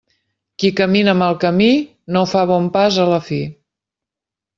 Qui camina mal camí, no fa bon pas a la fi.